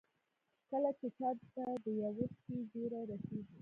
کله چې چا ته د يوه شي زېری رسېږي.